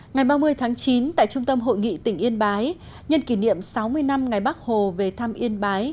ngày ba mươi tháng chín tại trung tâm hội nghị tỉnh yên bái nhân kỷ niệm sáu mươi năm ngày bắc hồ về thăm yên bái